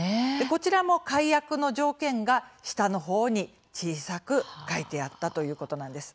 こちらも解約の条件が下のほうに小さく書いてあったということなんです。